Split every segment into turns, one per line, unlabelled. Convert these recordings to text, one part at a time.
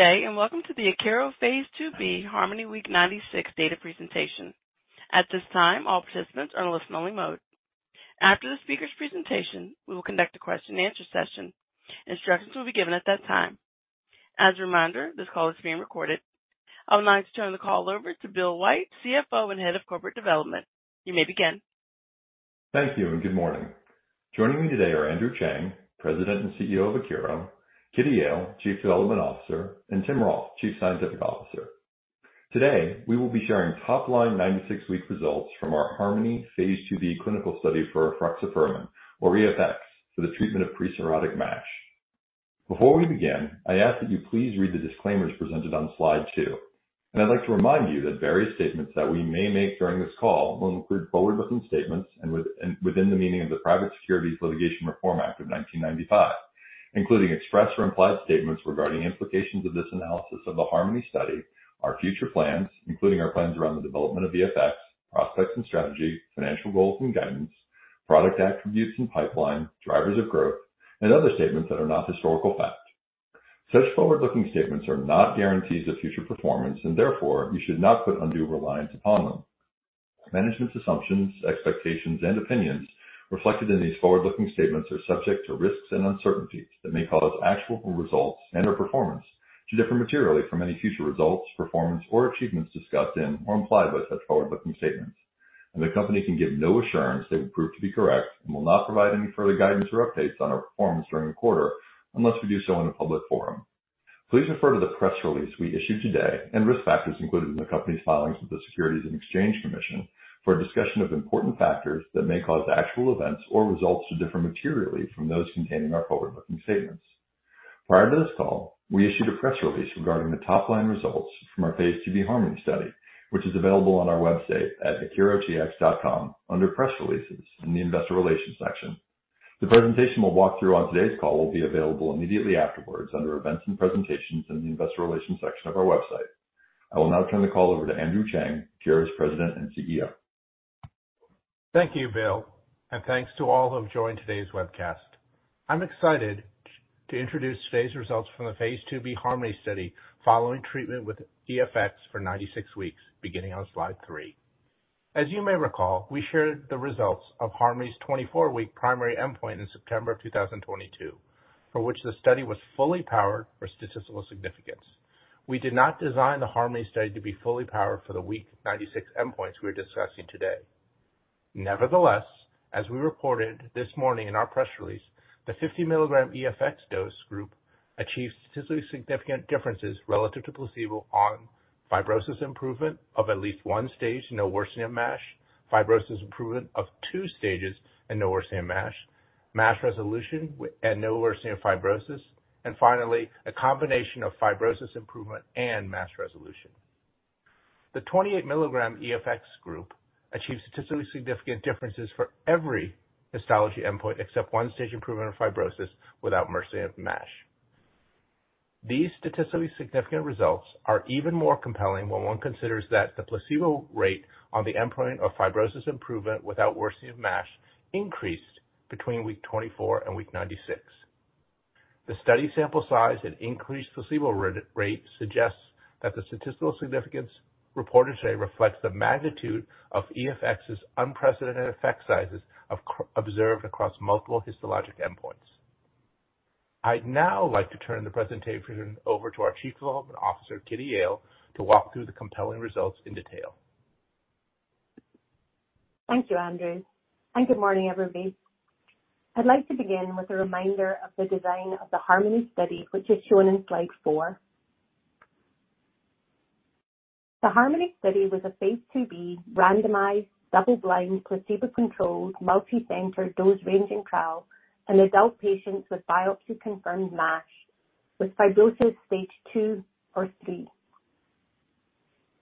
Good day, and welcome to the Akero Phase 2b HARMONY Week 96 data presentation. At this time, all participants are in listen-only mode. After the speaker's presentation, we will conduct a question and answer session. Instructions will be given at that time. As a reminder, this call is being recorded. I would now like to turn the call over to Bill White, CFO and Head of Corporate Development. You may begin.
Thank you and good morning. Joining me today are Andrew Cheng, President and CEO of Akero, Kitty Yale, Chief Development Officer, and Tim Rolph, Chief Scientific Officer. Today, we will be sharing top-line 96-week results from our HARMONY Phase 2b clinical study for efruxifermin, or EFX, for the treatment of pre-cirrhotic MASH. Before we begin, I ask that you please read the disclaimers presented on slide two. I'd like to remind you that various statements that we may make during this call will include forward-looking statements within the meaning of the Private Securities Litigation Reform Act of 1995, including expressed or implied statements regarding implications of this analysis of the HARMONY study, our future plans, including our plans around the development of EFX, prospects and strategy, financial goals and guidance, product attributes and pipeline, drivers of growth, and other statements that are not historical fact. Such forward-looking statements are not guarantees of future performance, and therefore you should not put undue reliance upon them. Management's assumptions, expectations, and opinions reflected in these forward-looking statements are subject to risks and uncertainties that may cause actual results and/or performance to differ materially from any future results, performance or achievements discussed in or implied by such forward-looking statements. The Company can give no assurance they will prove to be correct and will not provide any further guidance or updates on our performance during the quarter, unless we do so in a public forum. Please refer to the press release we issued today and risk factors included in the Company's filings with the Securities and Exchange Commission for a discussion of important factors that may cause actual events or results to differ materially from those contained in our forward-looking statements. Prior to this call, we issued a press release regarding the top line results from our Phase 2b HARMONY study, which is available on our website at akerotx.com under Press Releases in the Investor Relations section. The presentation we'll walk through on today's call will be available immediately afterwards under Events and Presentations in the Investor Relations section of our website. I will now turn the call over to Andrew Cheng, Akero's President and CEO.
Thank you, Bill, and thanks to all who have joined today's webcast. I'm excited to introduce today's results from the Phase 2b HARMONY study, following treatment with EFX for 96 weeks, beginning on slide three. As you may recall, we shared the results of HARMONY's 24-week primary endpoint in September 2022, for which the study was fully powered for statistical significance. We did not design the HARMONY study to be fully powered for the week 96 endpoints we're discussing today. Nevertheless, as we reported this morning in our press release, the 50-milligram EFX dose group achieved statistically significant differences relative to placebo on fibrosis improvement of at least one stage, no worsening of MASH, fibrosis improvement of two stages and no worsening of MASH, MASH resolution with and no worsening of fibrosis, and finally, a combination of fibrosis improvement and MASH resolution. The 28 milligram EFX group achieved statistically significant differences for every histology endpoint, except one stage improvement of fibrosis without worsening of MASH. These statistically significant results are even more compelling when one considers that the placebo rate on the endpoint of fibrosis improvement without worsening of MASH increased between week 24 and week 96. The study sample size and increased placebo rate suggests that the statistical significance reported today reflects the magnitude of EFX's unprecedented effect sizes observed across multiple histologic endpoints. I'd now like to turn the presentation over to our Chief Development Officer, Kitty Yale, to walk through the compelling results in detail.
Thank you, Andrew, and good morning, everybody. I'd like to begin with a reminder of the design of the HARMONY study, which is shown in slide four. The HARMONY study was a Phase 2b randomized, double-blind, placebo-controlled, multicentered, dose-ranging trial in adult patients with biopsy-confirmed MASH with fibrosis stage 2 or 3.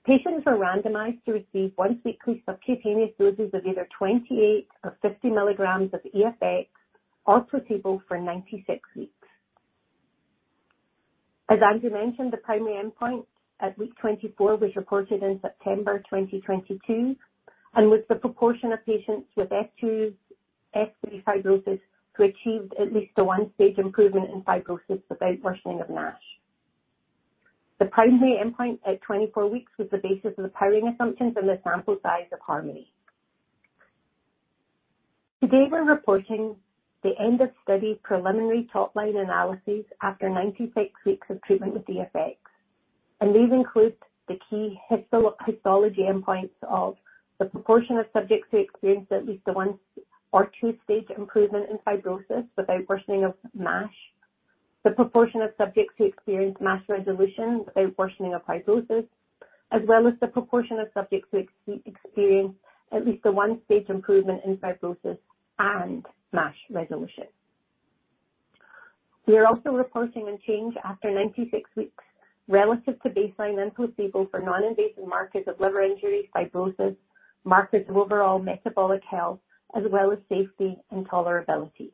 Patients were randomized to receive once-weekly subcutaneous doses of either 28 or 50 milligrams of EFX or placebo for 96 weeks. As Andrew mentioned, the primary endpoint at week 24 was reported in September 2022, and was the proportion of patients with F2, F3 fibrosis who achieved at least a 1-stage improvement in fibrosis without worsening of MASH. The primary endpoint at 24 weeks was the basis of the powering assumptions and the sample size of HARMONY. Today, we're reporting the end of study preliminary top-line analysis after 96 weeks of treatment with EFX, and these include the key histology endpoints of the proportion of subjects who experienced at least a 1- or 2-stage improvement in fibrosis without worsening of MASH, the proportion of subjects who experienced MASH resolution without worsening of fibrosis, as well as the proportion of subjects who experienced at least a 1-stage improvement in fibrosis and MASH resolution. We are also reporting a change after 96 weeks relative to baseline and placebo for non-invasive markers of liver injury, fibrosis, markers of overall metabolic health, as well as safety and tolerability.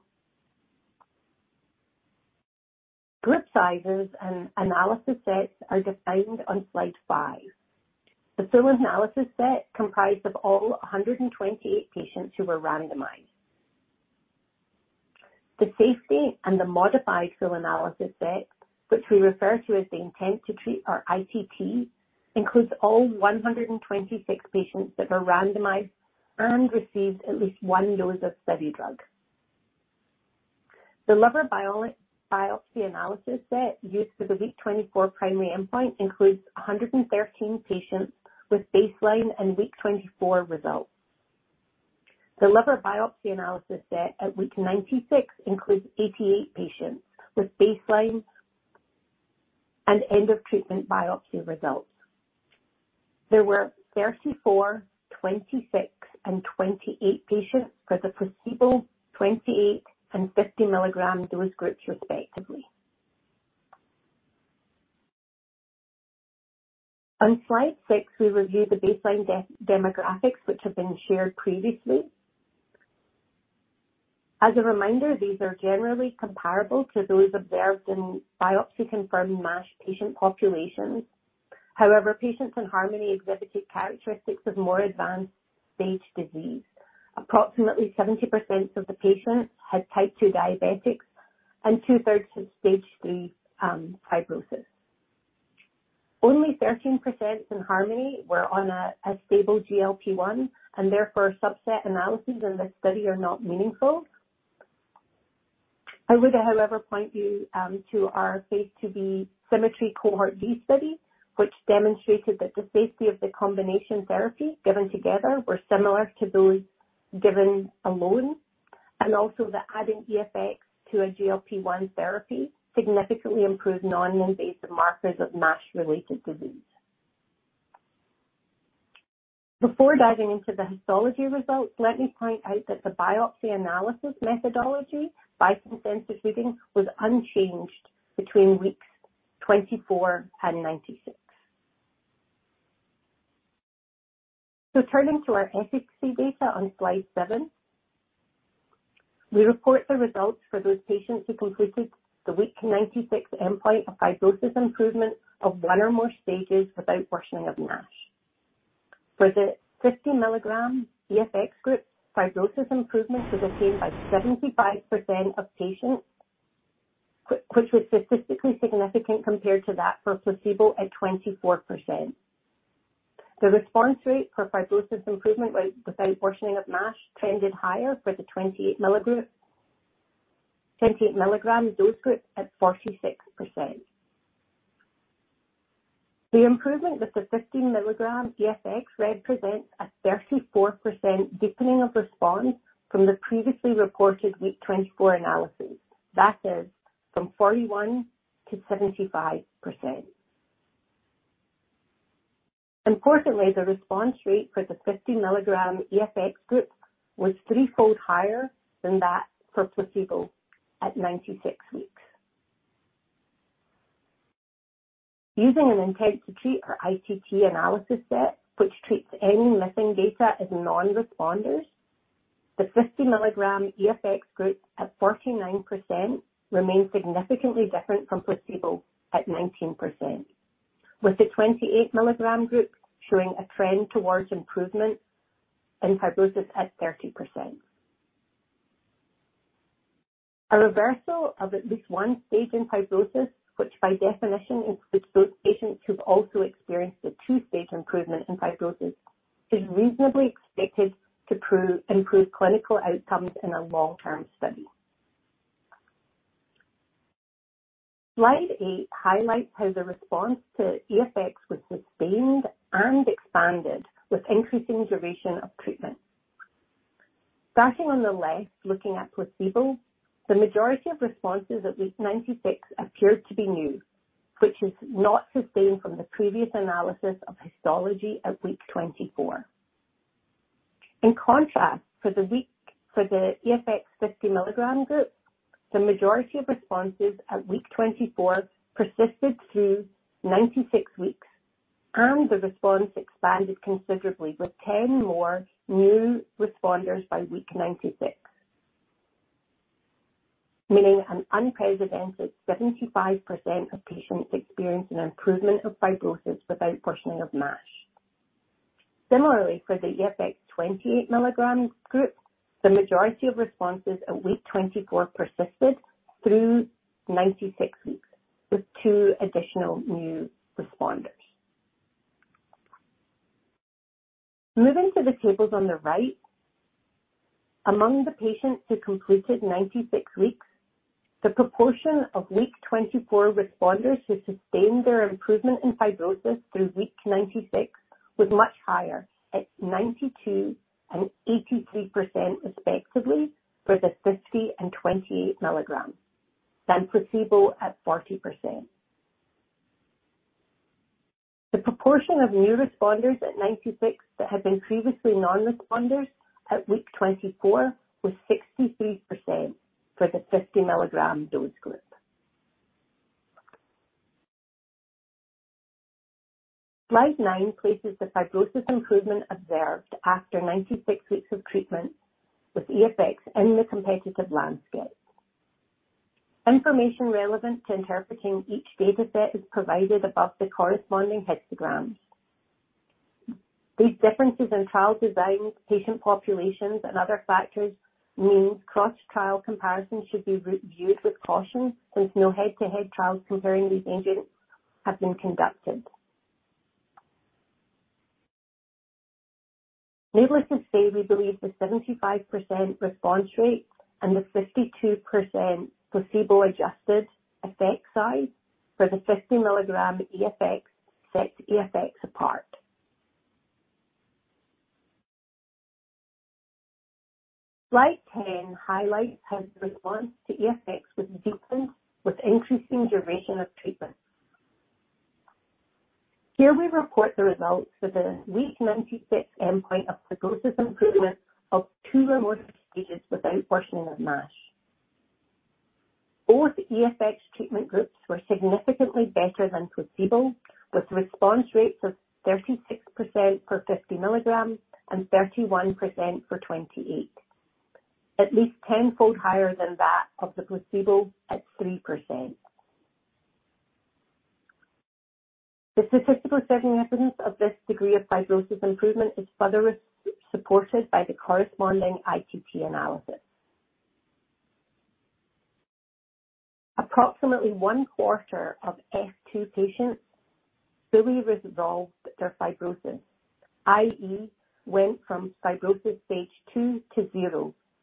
Group sizes and analysis sets are defined on slide five. The full analysis set comprised of all 128 patients who were randomized. The safety and the modified full analysis set, which we refer to as the intent to treat, or ITT, includes all 126 patients that were randomized and received at least one dose of study drug. The liver biopsy analysis set used for the week 24 primary endpoint includes 113 patients with baseline and week 24 results. The liver biopsy analysis set at week 96 includes 88 patients with baseline and end of treatment biopsy results. There were 34, 26, and 28 patients for the placebo, 28, and 50 milligrams dose groups, respectively. On slide six, we review the baseline demographics, which have been shared previously. As a reminder, these are generally comparable to those observed in biopsy-confirmed MASH patient populations. However, patients in HARMONY exhibited characteristics of more advanced stage disease. Approximately 70% of the patients had type 2 diabetes, and two-thirds had stage 3 fibrosis. Only 13% in HARMONY were on a stable GLP-1, and therefore subset analysis in this study are not meaningful. I would, however, point you to our Phase 2b SYMMETRY Cohort D study, which demonstrated that the safety of the combination therapy given together were similar to those given alone, and also that adding EFX to a GLP-1 therapy significantly improved non-invasive markers of MASH-related disease. Before diving into the histology results, let me point out that the biopsy analysis methodology by consensus reading was unchanged between weeks 24 and 96. So turning to our efficacy data on slide seven, we report the results for those patients who completed the week 96 endpoint of fibrosis improvement of one or more stages without worsening of MASH. For the 50-milligram EFX group, fibrosis improvement was obtained by 75% of patients, which was statistically significant compared to that for placebo at 24%. The response rate for fibrosis improvement without worsening of MASH tended higher for the 28-milligram dose group at 46%. The improvement with the 50-mg EFX represents a 34% deepening of response from the previously reported week 24 analysis. That is, from 41% to 75%. Importantly, the response rate for the 50-milligram EFX group was threefold higher than that for placebo at 96 weeks. Using an intent-to-treat, or ITT, analysis set, which treats any missing data as non-responders, the 50-milligram EFX group at 49% remains significantly different from placebo at 19%, with the 28-milligram group showing a trend towards improvement in fibrosis at 30%. A reversal of at least one stage in fibrosis, which by definition includes those patients who've also experienced a two-stage improvement in fibrosis, is reasonably expected to prove improved clinical outcomes in a long-term study. Slide eight highlights how the response to EFX was sustained and expanded with increasing duration of treatment. Starting on the left, looking at placebo, the majority of responses at week 96 appeared to be new, which is not sustained from the previous analysis of histology at week 24. In contrast, for the EFX 50 mg group, the majority of responses at week 24 persisted through 96 weeks, and the response expanded considerably with 10 more new responders by week 96, meaning an unprecedented 75% of patients experienced an improvement of fibrosis without worsening of MASH. Similarly, for the EFX 28 milligrams group, the majority of responses at week 24 persisted through 96 weeks, with two additional new responders. Moving to the tables on the right, among the patients who completed 96 weeks, the proportion of week 24 responders who sustained their improvement in fibrosis through week 96 was much higher at 92% and 83%, respectively, for the 50 and 28 milligrams than placebo at 40%. The proportion of new responders at 96 that had been previously non-responders at week 24 was 63% for the 50 milligram dose group. Slide nine places the fibrosis improvement observed after 96 weeks of treatment with EFX in the competitive landscape. Information relevant to interpreting each data set is provided above the corresponding histograms. These differences in trial design, patient populations, and other factors mean cross-trial comparisons should be reviewed with caution, since no head-to-head trials comparing these agents have been conducted. Needless to say, we believe the 75% response rate and the 52% placebo-adjusted effect size for the 50-milligram EFX sets EFX apart. Slide 10 highlights how the response to EFX was deepened with increasing duration of treatment. Here we report the results for the week 96 endpoint of fibrosis improvement of two or more stages without worsening of MASH. Both EFX treatment groups were significantly better than placebo, with response rates of 36% for 50 milligrams and 31% for 28, at least 10-fold higher than that of the placebo at 3%. The statistical significance of this degree of fibrosis improvement is further supported by the corresponding ITT analysis. Approximately one quarter of F2 patients fully resolved their fibrosis, i.e., went from fibrosis stage 2 to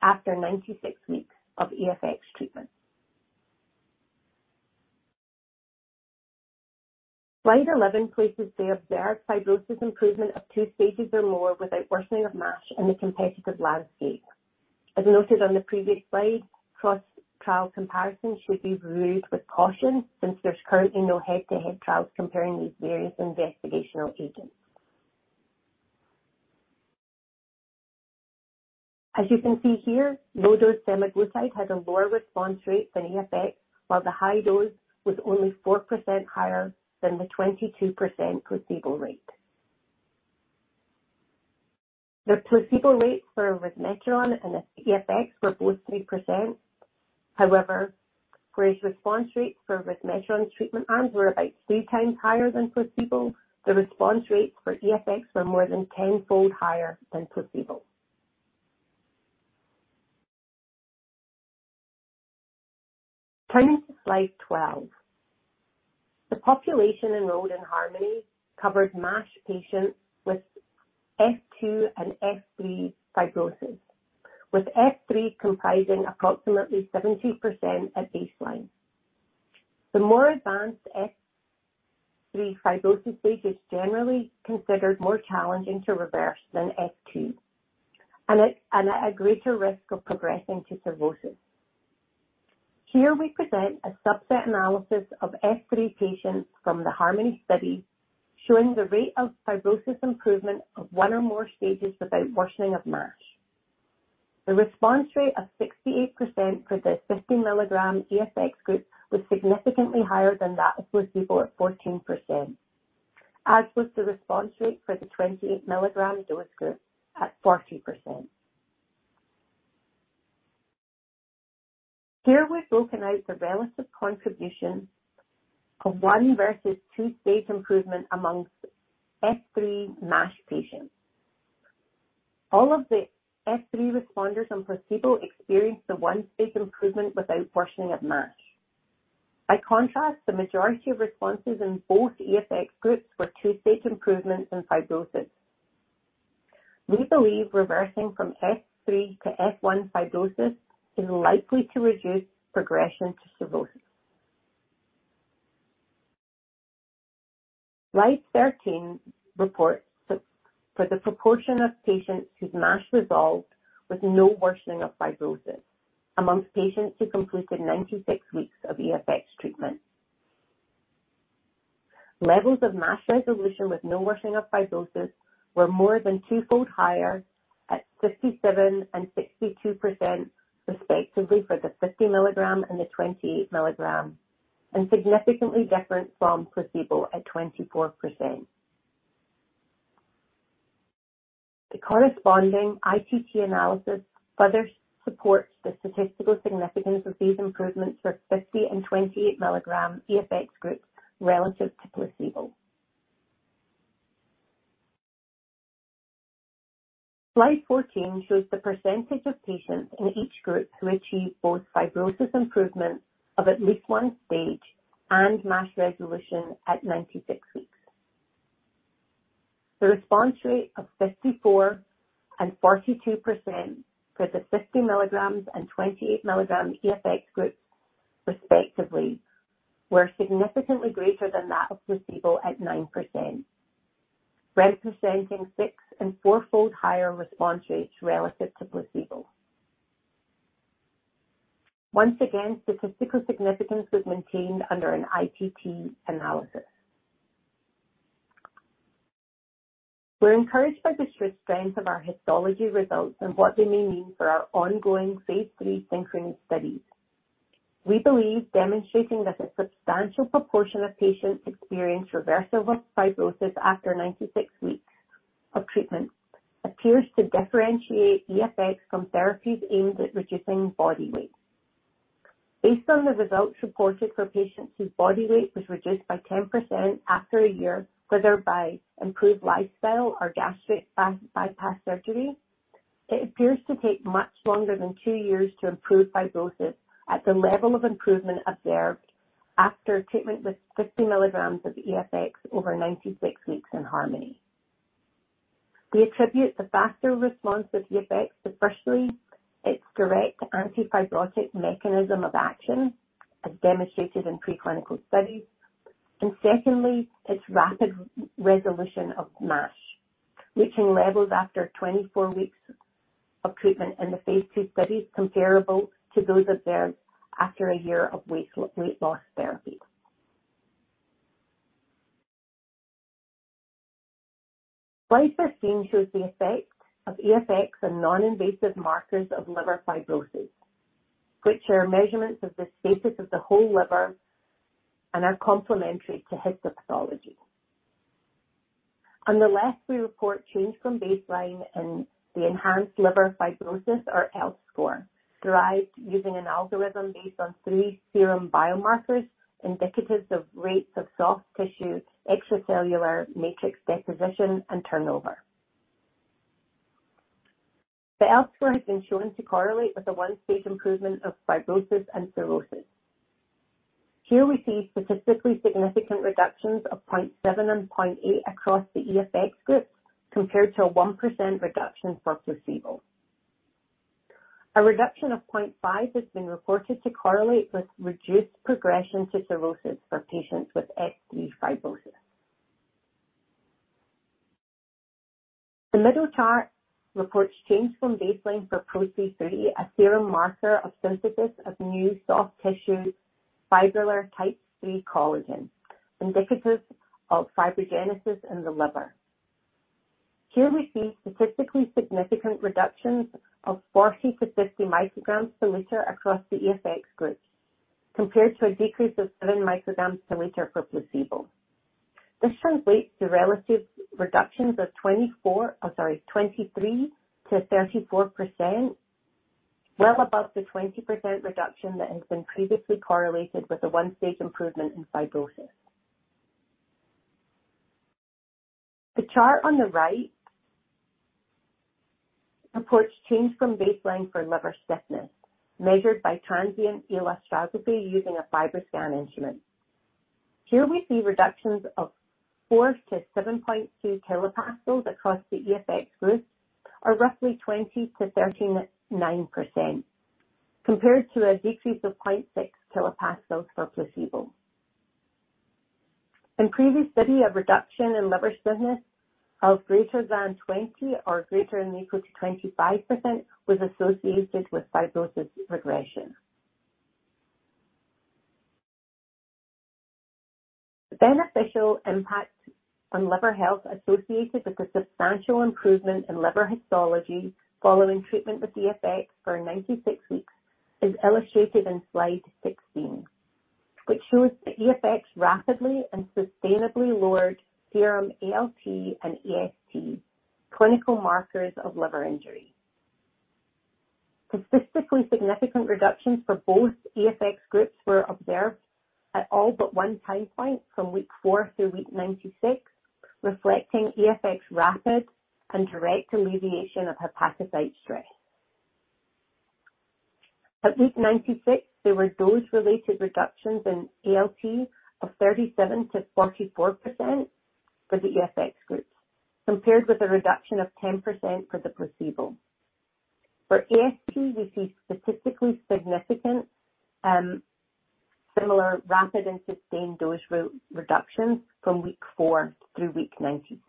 0 after 96 weeks of EFX treatment. Slide 11 places the observed fibrosis improvement of two stages or more without worsening of MASH in the competitive landscape. As noted on the previous slide, cross-trial comparisons should be viewed with caution since there's currently no head-to-head trials comparing these various investigational agents. As you can see here, low-dose semaglutide has a lower response rate than EFX, while the high dose was only 4% higher than the 22% placebo rate. The placebo rates for resmetirom and EFX were both 3%. However, whereas response rates for resmetirom treatment arms were about 3x higher than placebo, the response rates for EFX were more than tenfold higher than placebo. Turning to slide 12. The population enrolled in HARMONY covered MASH patients with F2 and F3 fibrosis, with F3 comprising approximately 70% at baseline. The more advanced F3 fibrosis stage is generally considered more challenging to reverse than F2 and at a greater risk of progressing to cirrhosis. Here we present a subset analysis of F3 patients from the HARMONY study, showing the rate of fibrosis improvement of one or more stages without worsening of MASH. The response rate of 68% for the 50-milligram EFX group was significantly higher than that of placebo at 14%, as was the response rate for the 28-milligram dose group at 40%. Here we've broken out the relative contribution of one versus two-stage improvement amongst F3 MASH patients. All of the F3 responders on placebo experienced the one-stage improvement without worsening of MASH. By contrast, the majority of responses in both EFX groups were two-stage improvements in fibrosis. We believe reversing from F3 to F1 fibrosis is likely to reduce progression to cirrhosis. Slide 13 reports the proportion of patients whose MASH resolved with no worsening of fibrosis among patients who completed 96 weeks of EFX treatment. Levels of MASH resolution with no worsening of fibrosis were more than two-fold higher at 57% and 62%, respectively, for the 50 mg and the 28 mg, and significantly different from placebo at 24%. The corresponding ITT analysis further supports the statistical significance of these improvements for 50 and 28 milligram EFX groups relative to placebo. Slide 14 shows the percentage of patients in each group who achieved both fibrosis improvement of at least one stage and MASH resolution at 96 weeks. The response rate of 54% and 42% for the 50 milligrams and 28 milligram EFX groups, respectively, were significantly greater than that of placebo at 9%, representing six- and four-fold higher response rates relative to placebo. Once again, statistical significance was maintained under an ITT analysis. We're encouraged by the strength of our histology results and what they may mean for our ongoing Phase III SYNCHRONY studies. We believe demonstrating that a substantial proportion of patients experience reversal of fibrosis after 96 weeks of treatment appears to differentiate EFX from therapies aimed at reducing body weight. Based on the results reported for patients whose body weight was reduced by 10% after a year, whether by improved lifestyle or gastric bypass surgery, it appears to take much longer than two years to improve fibrosis at the level of improvement observed after treatment with 50 milligrams of EFX over 96 weeks in HARMONY. We attribute the faster response of EFX to, firstly, its direct antifibrotic mechanism of action, as demonstrated in preclinical studies, and secondly, its rapid resolution of MASH, reaching levels after 24 weeks of treatment in the phase II studies, comparable to those observed after a year of weight loss therapy. Slide 15 shows the effects of EFX on non-invasive markers of liver fibrosis, which are measurements of the status of the whole liver and are complementary to histopathology. On the left, we report change from baseline in the Enhanced Liver Fibrosis, or ELF score, derived using an algorithm based on three serum biomarkers indicative of rates of soft tissue, extracellular matrix deposition, and turnover. The ELF score has been shown to correlate with a one-stage improvement of fibrosis and cirrhosis. Here we see statistically significant reductions of 0.7 and 0.8 across the EFX groups, compared to a 1% reduction for placebo. A reduction of 0.5 has been reported to correlate with reduced progression to cirrhosis for patients with F3 fibrosis. The middle chart reports change from baseline for PRO-C3, a serum marker of synthesis of new soft tissue fibrillar type three collagen, indicative of fibrogenesis in the liver. Here we see statistically significant reductions of 40-50 micrograms per liter across the EFX groups, compared to a decrease of seven micrograms per liter for placebo. This translates to relative reductions of 24, oh, sorry, 23%-34%, well above the 20% reduction that has been previously correlated with a one-stage improvement in fibrosis. The chart on the right reports change from baseline for liver stiffness, measured by transient elastography using a FibroScan instrument. Here we see reductions of 4-7.2 kilopascals across the EFX groups, or roughly 20%-39%, compared to a decrease of 0.6 kilopascals for placebo. In previous study, a reduction in liver stiffness of greater than 20% or greater than or equal to 25% was associated with fibrosis regression. The beneficial impact on liver health associated with a substantial improvement in liver histology following treatment with EFX for 96 weeks is illustrated in slide 16, which shows that EFX rapidly and sustainably lowered serum ALT and AST, clinical markers of liver injury. Statistically significant reductions for both EFX groups were observed at all but one time point from week four through week 96, reflecting EFX rapid and direct alleviation of hepatocyte stress. At week 96, there were dose-related reductions in ALT of 37%-44% for the EFX groups, compared with a reduction of 10% for the placebo. For AST, we see statistically significant, similar rapid and sustained dose-related reductions from week four through week 96.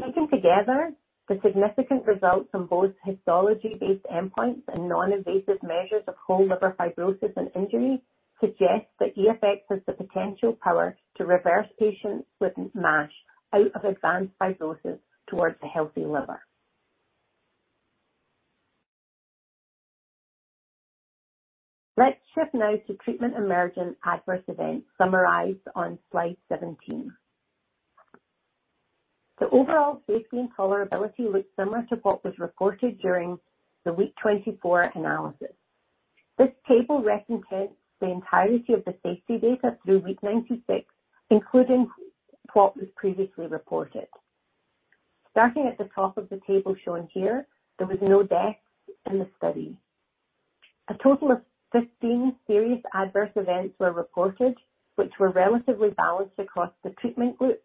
Taken together, the significant results on both histology-based endpoints and non-invasive measures of whole liver fibrosis and injury suggest that EFX has the potential power to reverse patients with MASH out of advanced fibrosis towards a healthy liver. Let's shift now to treatment emergent adverse events summarized on slide 17. The overall safety and tolerability looks similar to what was reported during the week 24 analysis. This table represents the entirety of the safety data through week 96, including what was previously reported. Starting at the top of the table shown here, there were no deaths in the study. A total of 15 serious adverse events were reported, which were relatively balanced across the treatment groups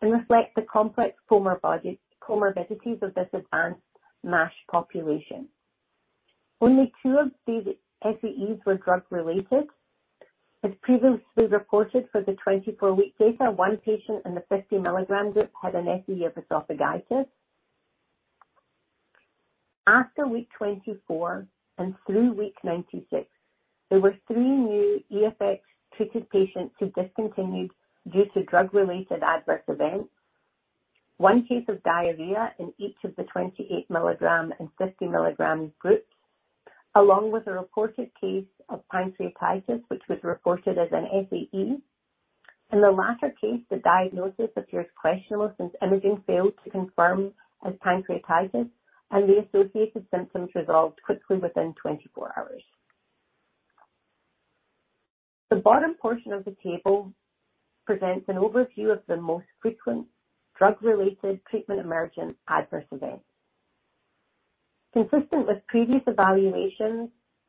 and reflect the complex comorbidities of this advanced MASH population. Only two of these SAEs were drug-related. As previously reported for the 24-week data, one patient in the 50 milligram group had an SAE of esophagitis. After week 24 and through week 96, there were three new EFX-treated patients who discontinued due to drug-related adverse events. One case of diarrhea in each of the 28 milligram and 50 milligram groups, along with a reported case of pancreatitis, which was reported as an SAE. In the latter case, the diagnosis appears questionable since imaging failed to confirm as pancreatitis and the associated symptoms resolved quickly within 24 hours. The bottom portion of the table presents an overview of the most frequent drug-related treatment emergent adverse events. Consistent with previous evaluations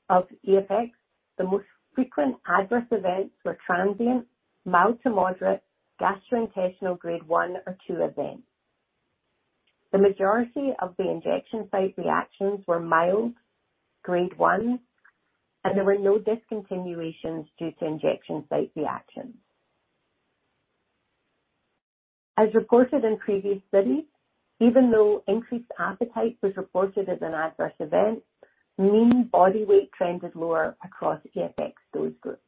of EFX, the most frequent adverse events were transient, mild to moderate, gastrointestinal grade one or two events. The majority of the injection site reactions were mild, grade one, and there were no discontinuations due to injection site reactions. As reported in previous studies, even though increased appetite was reported as an adverse event, mean body weight trended lower across EFX dose groups.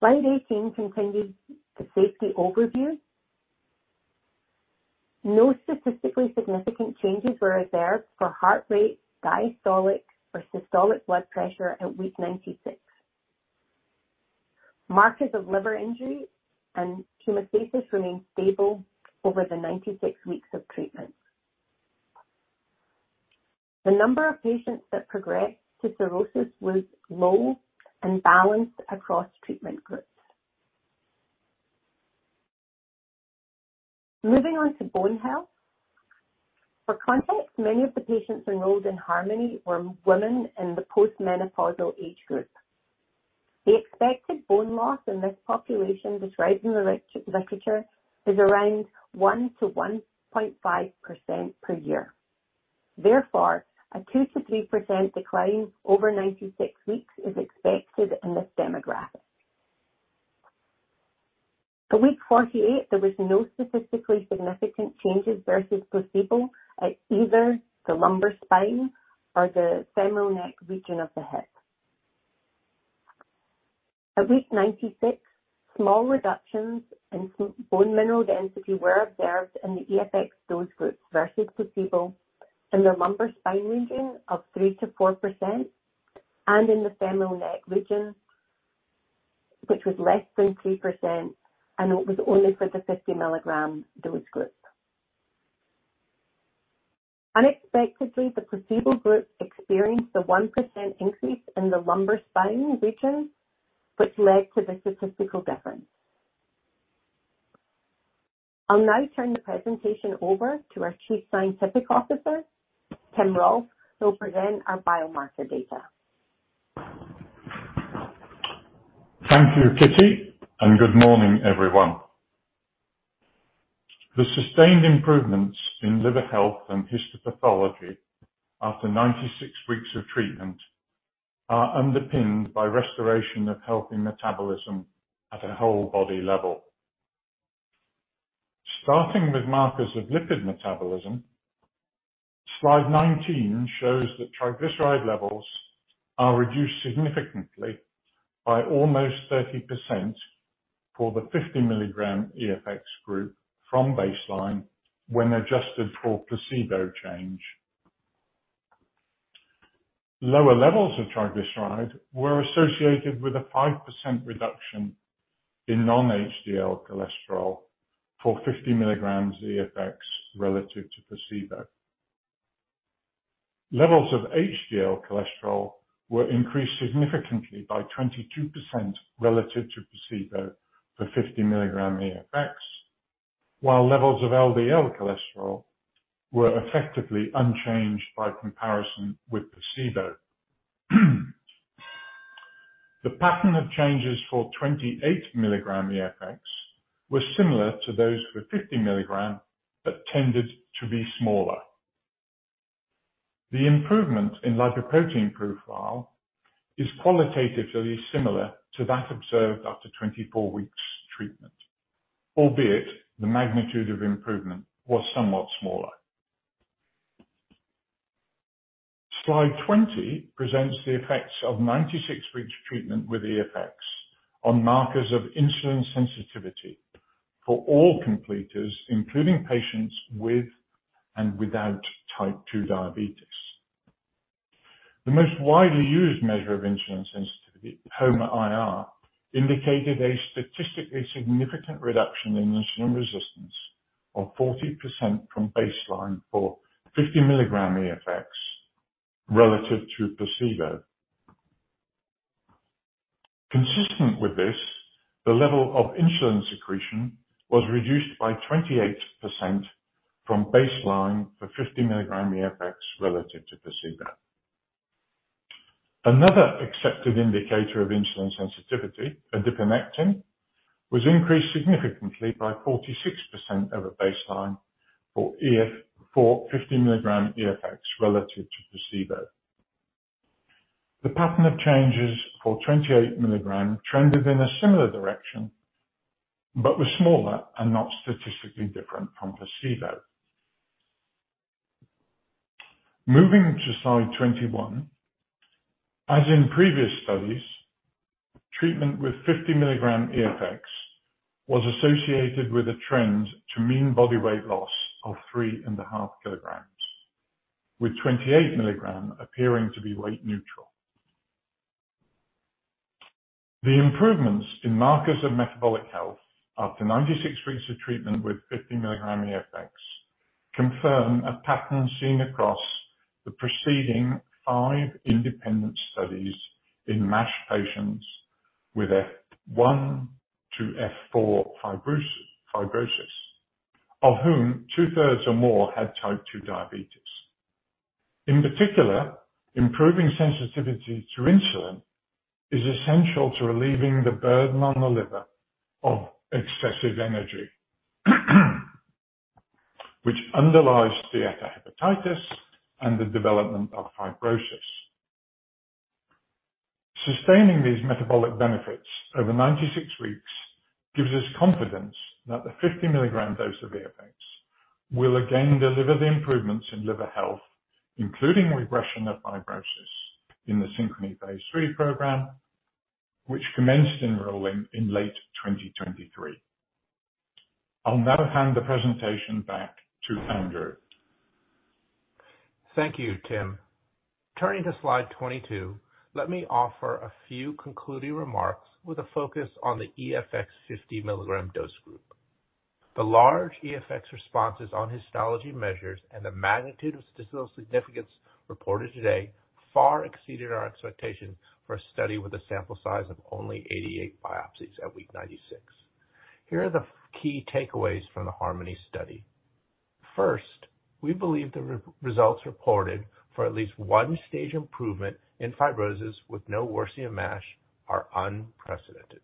Slide 18 continues the safety overview. No statistically significant changes were observed for heart rate, diastolic or systolic blood pressure at week 96. Markers of liver injury and hemostasis remained stable over the 96 weeks of treatment. The number of patients that progressed to cirrhosis was low and balanced across treatment groups. Moving on to bone health. For context, many of the patients enrolled in HARMONY were women in the postmenopausal age group. The expected bone loss in this population described in the literature is around 1%-1.5% per year. Therefore, a 2%-3% decline over 96 weeks is expected in this demographic. At week 48, there was no statistically significant changes versus placebo at either the lumbar spine or the femoral neck region of the hip. At week 96, small reductions in bone mineral density were observed in the EFX dose groups versus placebo in the lumbar spine region of 3%-4% and in the femoral neck region, which was less than 3%, and it was only for the 50-milligram dose group. Unexpectedly, the placebo group experienced a 1% increase in the lumbar spine region, which led to the statistical difference. I'll now turn the presentation over to our Chief Scientific Officer, Tim Rolph, who will present our biomarker data.
Thank you, Kitty, and good morning, everyone. The sustained improvements in liver health and histopathology after 96 weeks of treatment are underpinned by restoration of healthy metabolism at a whole body level. Starting with markers of lipid metabolism, slide 19 shows that triglyceride levels are reduced significantly by almost 30% for the 50-milligram EFX group from baseline, when adjusted for placebo change. Lower levels of triglyceride were associated with a 5% reduction in non-HDL cholesterol for 50 milligrams EFX relative to placebo. Levels of HDL cholesterol were increased significantly by 22% relative to placebo for 50 milligram EFX, while levels of LDL cholesterol were effectively unchanged by comparison with placebo. The pattern of changes for 28 milligram EFX was similar to those for 50 milligram, but tended to be smaller. The improvement in lipoprotein profile is qualitatively similar to that observed after 24 weeks treatment, albeit the magnitude of improvement was somewhat smaller. Slide 20 presents the effects of 96 weeks treatment with EFX on markers of insulin sensitivity for all completers, including patients with and without type 2 diabetes. The most widely used measure of insulin sensitivity, HOMA-IR, indicated a statistically significant reduction in insulin resistance of 40% from baseline for 50 mg EFX relative to placebo. Consistent with this, the level of insulin secretion was reduced by 28% from baseline for 50 mg EFX relative to placebo. Another accepted indicator of insulin sensitivity, adiponectin, was increased significantly by 46% over baseline for 50 mg EFX relative to placebo. The pattern of changes for 28 mg trended in a similar direction, but were smaller and not statistically different from placebo. Moving to slide 21, as in previous studies, treatment with 50 mg EFX was associated with a trend to mean body weight loss of 3.5 kg, with 28 mg appearing to be weight neutral. The improvements in markers of metabolic health after 96 weeks of treatment with 50 mg EFX confirm a pattern seen across the preceding five independent studies in MASH patients with F1 to F4 fibrosis, of whom two-thirds or more had type 2 diabetes. In particular, improving sensitivity to insulin is essential to relieving the burden on the liver of excessive energy, which underlies the hepatitis and the development of fibrosis. Sustaining these metabolic benefits over 96 weeks gives us confidence that the 50 mg dose of EFX will again deliver the improvements in liver health, including regression of fibrosis in the SYNCHRONY Phase III program, which commenced enrolling in late 2023. I'll now hand the presentation back to Andrew.
Thank you, Tim. Turning to slide 22, let me offer a few concluding remarks with a focus on the EFX 50 mg dose group. The large EFX responses on histology measures and the magnitude of statistical significance reported today far exceeded our expectations for a study with a sample size of only 88 biopsies at week 96. Here are the key takeaways from the HARMONY study. First, we believe the results reported for at least one stage improvement in fibrosis, with no worsening of MASH, are unprecedented.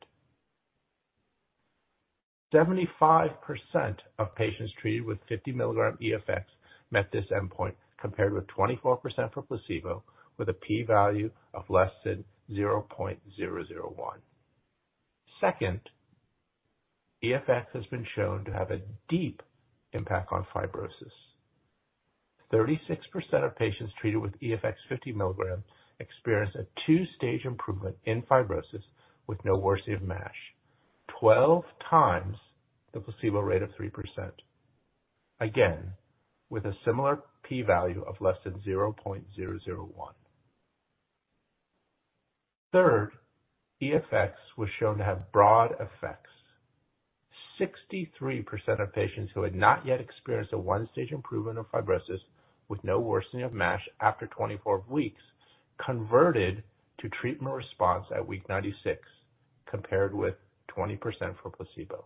75% of patients treated with 50 mg EFX met this endpoint, compared with 24% for placebo, with a P value of less than 0.001. Second, EFX has been shown to have a deep impact on fibrosis. 36% of patients treated with EFX 50 mg experienced a two-stage improvement in fibrosis with no worsening of MASH, 12 x the placebo rate of 3%, again, with a similar P value of less than 0.001. Third, EFX was shown to have broad effects. 63% of patients who had not yet experienced a one-stage improvement of fibrosis with no worsening of MASH after 24 weeks, converted to treatment response at week 96, compared with 20% for placebo.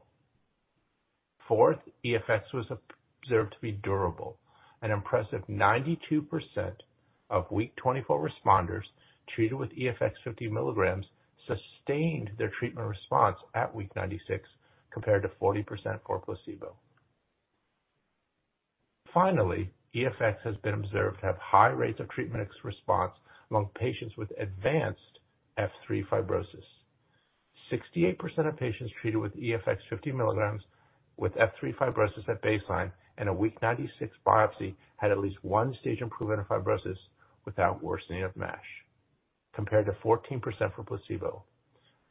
Fourth, EFX was observed to be durable. An impressive 92% of week 24 responders treated with EFX 50 mg sustained their treatment response at week 96, compared to 40% for placebo. Finally, EFX has been observed to have high rates of treatment response among patients with advanced F3 fibrosis. 68% of patients treated with EFX 50 milligrams, with F3 fibrosis at baseline and a week 96 biopsy, had at least one stage improvement in fibrosis without worsening of MASH, compared to 14% for placebo.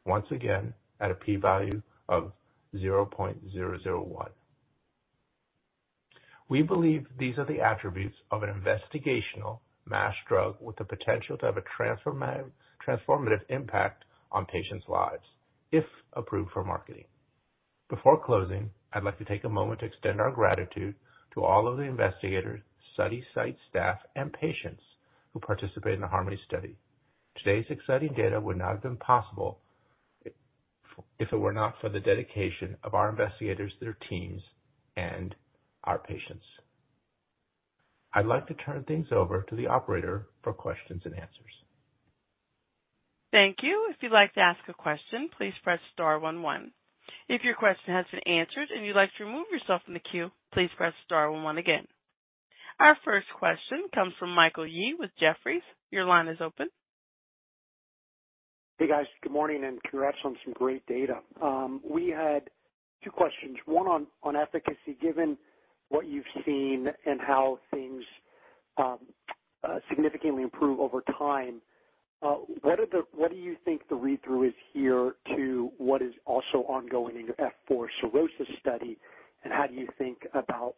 Once again, at a P value of 0.001. We believe these are the attributes of an investigational MASH drug, with the potential to have a transformative impact on patients' lives, if approved for marketing. Before closing, I'd like to take a moment to extend our gratitude to all of the investigators, study site staff, and patients, who participated in the HARMONY study. Today's exciting data would not have been possible if it were not for the dedication of our investigators, their teams, and our patients. I'd like to turn things over to the operator for questions and answers.
Thank you. If you'd like to ask a question, please press star one one. If your question has been answered and you'd like to remove yourself from the queue, please press star one one again. Our first question comes from Michael Yee with Jefferies. Your line is open.
Hey, guys. Good morning, and congrats on some great data. We had two questions, one on efficacy. Given what you've seen and how things significantly improve over time, what do you think the read-through is here to what is also ongoing in your F4 cirrhosis study, and how do you think about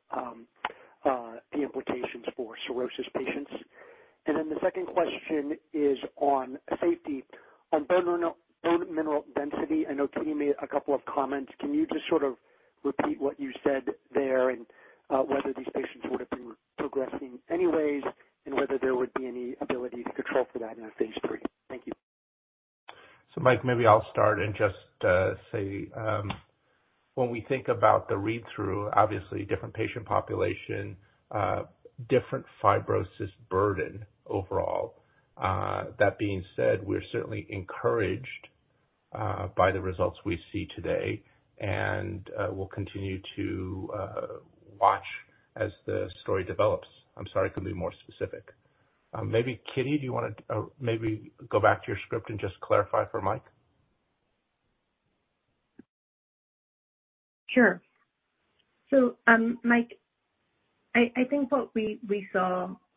the implications for cirrhosis patients? And then the second question is on safety. On bone mineral density, I know Kitty made a couple of comments. Can you just sort of repeat what you said there, and whether these patients would have been progressing anyways, and whether there would be any ability to control for that in a phase three? Thank you.
So, Mike, maybe I'll start and just say, when we think about the read-through, obviously different patient population, different fibrosis burden overall. That being said, we're certainly encouraged by the results we see today, and we'll continue to watch as the story develops. I'm sorry I couldn't be more specific. Maybe, Kitty, do you wanna maybe go back to your script and just clarify for Mike?
Sure. So, Mike, I think what we saw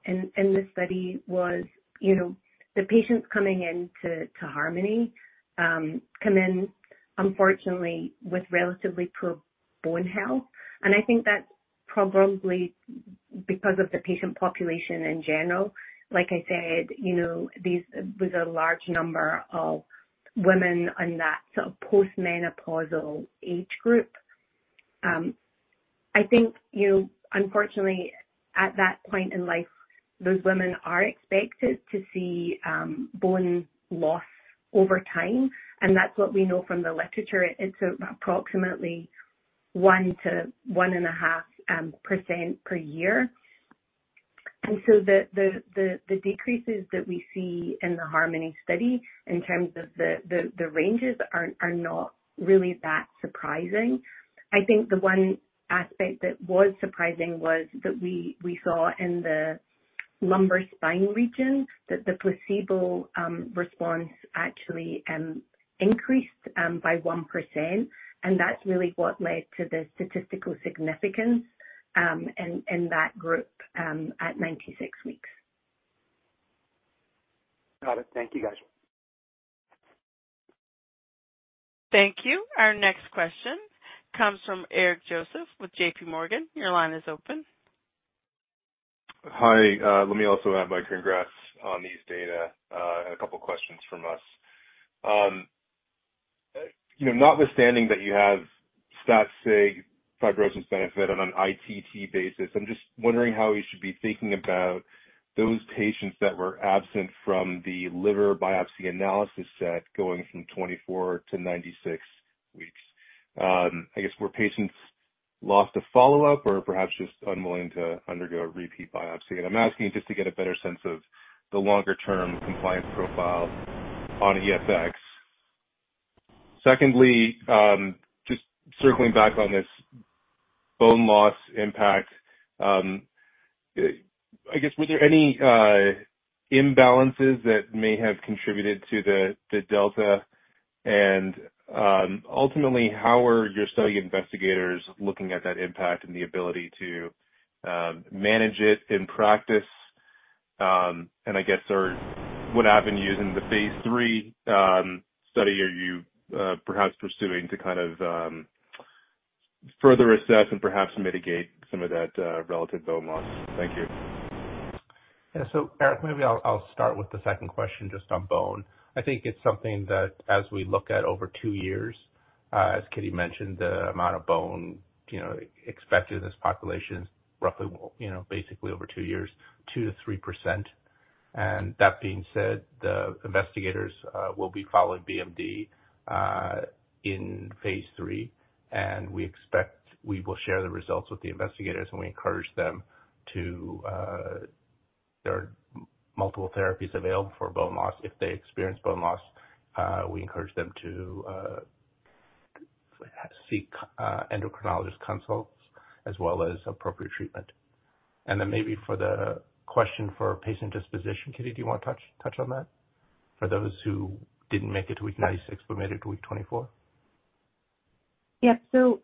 in this study was, you know, the patients coming in to HARMONY come in, unfortunately, with relatively poor bone health. And I think that's probably because of the patient population in general. Like I said, you know, there was a large number of women in that sort of postmenopausal age group. I think, unfortunately, at that point in life, those women are expected to see bone loss over time, and that's what we know from the literature. It's approximately 1%-1.5% per year. And so the decreases that we see in the HARMONY study in terms of the ranges are not really that surprising. I think the one aspect that was surprising was that we saw in the lumbar spine region that the placebo response actually increased by 1%, and that's really what led to the statistical significance in that group at 96 weeks.
Got it. Thank you, guys.
Thank you. Our next question comes from Eric Joseph with J.P. Morgan. Your line is open.
Hi, let me also add my congrats on these data. I had a couple questions from us. You know, notwithstanding that you have stat sig fibrosis benefit on an ITT basis, I'm just wondering how we should be thinking about those patients that were absent from the liver biopsy analysis set, going from 24 to 96 weeks. I guess, were patients lost to follow-up or perhaps just unwilling to undergo a repeat biopsy? And I'm asking just to get a better sense of the longer-term compliance profile on EFX. Secondly, just circling back on this bone loss impact, I guess, were there any imbalances that may have contributed to the delta? Ultimately, how are your study investigators looking at that impact and the ability to manage it in practice, and I guess, what avenues in the Phase III study are you perhaps pursuing to kind of further assess and perhaps mitigate some of that relative bone loss? Thank you.
Yeah. So Eric, maybe I'll start with the second question just on bone. I think it's something that as we look at over two years, as Kitty mentioned, the amount of bone, you know, expected in this population is roughly, you know, basically over two years, 2%-3%. And that being said, the investigators will be following BMD in Phase III, and we expect we will share the results with the investigators, and we encourage them to, there are multiple therapies available for bone loss. If they experience bone loss, we encourage them to seek endocrinologist consults as well as appropriate treatment. And then maybe for the question for patient disposition, Kitty, do you want to touch on that, for those who didn't make it to week 96, but made it to week 24?
Yeah. So,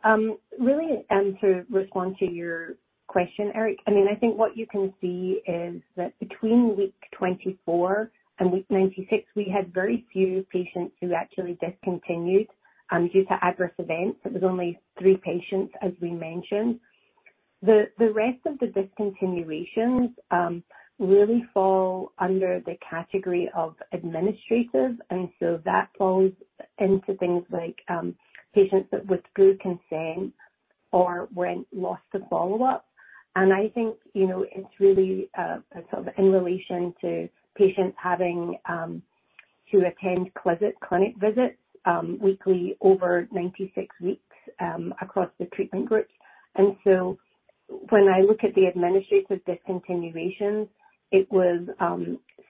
really, and to respond to your question, Eric, I mean, I think what you can see is that between week 24 and week 96, we had very few patients who actually discontinued due to adverse events. It was only three patients, as we mentioned. The rest of the discontinuations really fall under the category of administrative, and so that falls into things like patients that withdrew consent or were lost to follow-up. And I think, you know, it's really sort of in relation to patients having to attend clinic visits weekly over 96 weeks across the treatment groups. And so, when I look at the administrative discontinuations, it was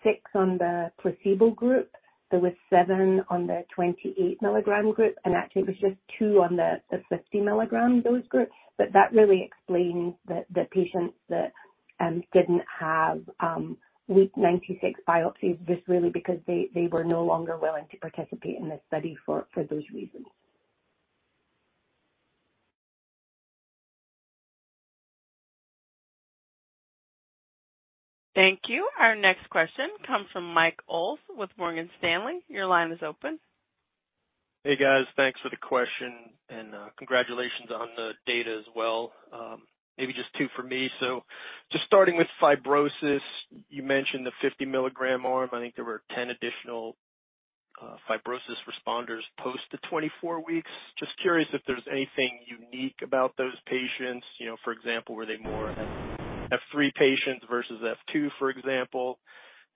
six on the placebo group, there were seven on the 28 mg group, and actually it was just two on the 50 mg dose group. But that really explains the patients that didn't have week 96 biopsies, just really because they were no longer willing to participate in this study for those reasons.
Thank you. Our next question comes from Mike Ulz with Morgan Stanley. Your line is open.
Hey, guys. Thanks for the question, and, congratulations on the data as well. Maybe just two for me. So just starting with fibrosis, you mentioned the 50 mg arm. I think there were 10 additional fibrosis responders post the 24 weeks. Just curious if there's anything unique about those patients. You know, for example, were they more F3 patients versus F2, for example?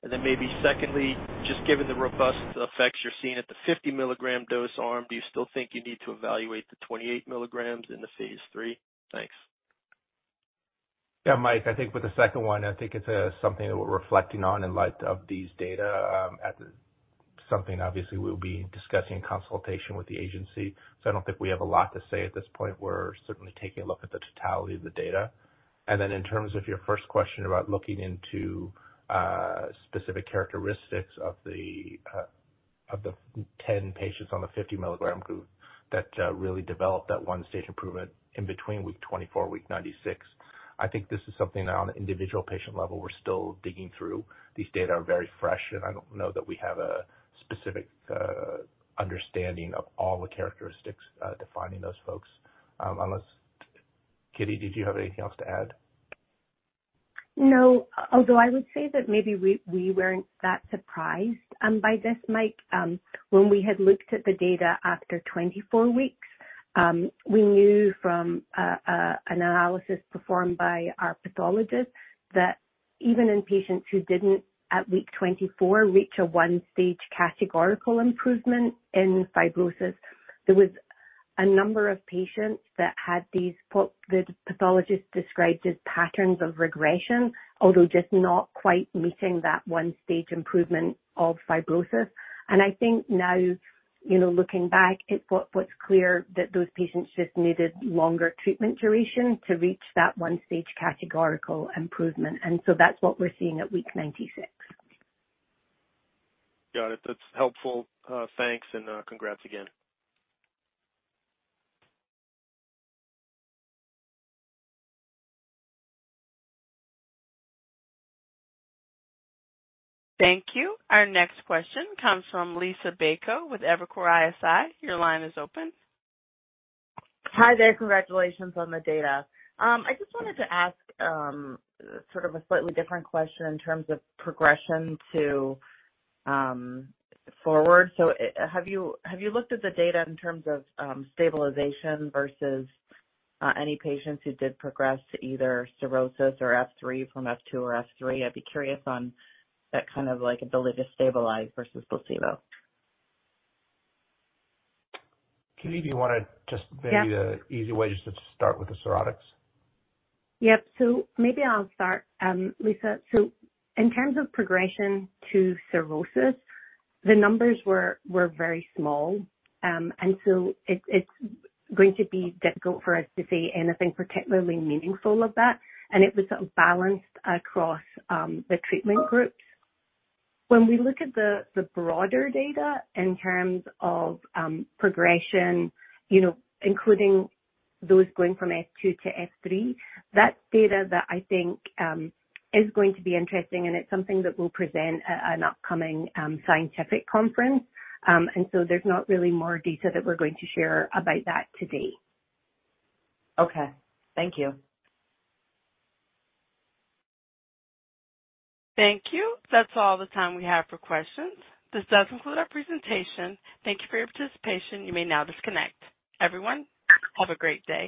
And then maybe secondly, just given the robust effects you're seeing at the 50 mg dose arm, do you still think you need to evaluate the 28 milligrams in the Phase III? Thanks.
Yeah, Mike, I think with the second one, I think it's something that we're reflecting on in light of these data, as something obviously we'll be discussing in consultation with the agency. So I don't think we have a lot to say at this point. We're certainly taking a look at the totality of the data. And then in terms of your first question about looking into specific characteristics of the 10 patients on the 50 mg group that really developed that one stage improvement in between week 24, week 96. I think this is something that on an individual patient level, we're still digging through. These data are very fresh, and I don't know that we have a specific understanding of all the characteristics defining those folks. Unless, Kitty, did you have anything else to add?
No. Although I would say that maybe we weren't that surprised by this, Mike. When we had looked at the data after 24 weeks, we knew from an analysis performed by our pathologist that even in patients who didn't, at week 24, reach a one-stage categorical improvement in fibrosis, there was a number of patients that had these, the pathologists described as patterns of regression, although just not quite meeting that one stage improvement of fibrosis. And I think now, you know, looking back, what's clear that those patients just needed longer treatment duration to reach that one stage categorical improvement, and so that's what we're seeing at week 96.
Got it. That's helpful. Thanks, and congrats again.
Thank you. Our next question comes from Liisa Bayko with Evercore ISI. Your line is open.
Hi there. Congratulations on the data. I just wanted to ask sort of a slightly different question in terms of progression to forward. So have you looked at the data in terms of stabilization versus any patients who did progress to either cirrhosis or F3 from F2 or F3? I'd be curious on that kind of, like, ability to stabilize versus placebo.
Kitty, do you wanna just-
Yeah.
Maybe the easy way, just to start with the cirrhotics?
Yep. So maybe I'll start, Lisa. So, in terms of progression to cirrhosis, the numbers were very small. And so, it's going to be difficult for us to say anything particularly meaningful of that, and it was sort of balanced across the treatment groups. When we look at the broader data in terms of progression, you know, including those going from F2 to F3, that's data that I think is going to be interesting, and it's something that we'll present at an upcoming scientific conference. And so, there's not really more data that we're going to share about that today.
Okay. Thank you.
Thank you. That's all the time we have for questions. This does conclude our presentation. Thank you for your participation. You may now disconnect. Everyone, have a great day.